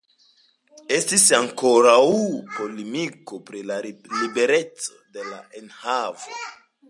Estis ankoraŭ polemiko pri la libereco de la enhavo.